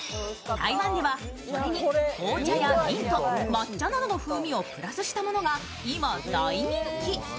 台湾ではそれに紅茶やミント、抹茶などの風味をプラスしたものが今、大人気。